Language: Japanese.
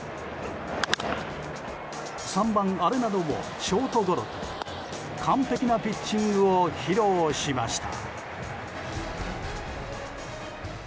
３番、アレナドもショートゴロと完璧なピッチングを披露しました。